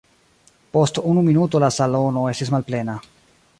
Post unu minuto la salono estis malplena.